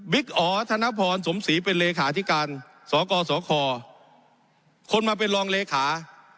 อ๋อธนพรสมศรีเป็นเลขาธิการสกสคคนมาเป็นรองเลขา